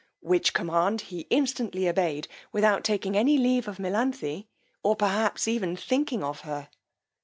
Which command he instantly obeyed, without taking any leave of Melanthe, or perhaps even thinking on her.